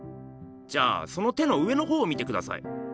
じゃあその手の上のほうを見てください。